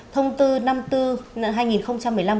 thông tư năm bốn năm hai nghìn một mươi năm